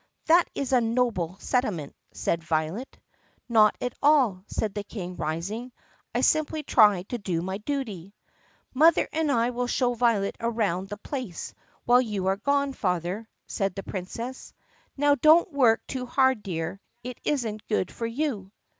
"That is a noble sentiment!" cried Violet. "Not at all," said the King rising. "I simply try to do my duty." "Mother and I will show Violet around the place while you are gone, father," said the Princess. "Now don't work too hard, dear. It is n't good for you."